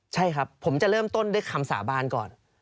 ใช่ครับผมจะเริ่มต้นด้วยคำสาบานก่อน